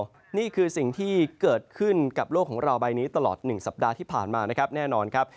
นี่คือสิ่งที่เกิดขึ้นกับโลกของเราใบนี้ตลอด๑สัปดาห์ที่ผ่านมานะครับแน่นอนครับ